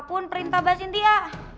apapun perintah mbak sintia